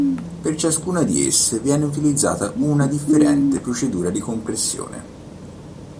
Per ciascuna di esse viene utilizzata una differente procedura di compressione.